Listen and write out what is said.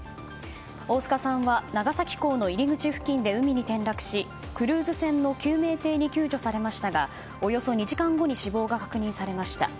大須賀さんは長崎港の入り口付近で海に転落しクルーズ船の救命艇に救助されましたがおよそ２時間後に死亡が確認されました。